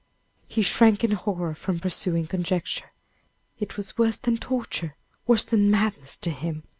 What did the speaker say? He shrank in horror from pursuing conjecture it was worse than torture, worse than madness to him.